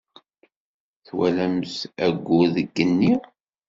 Twalamt ayyur deg yigenni?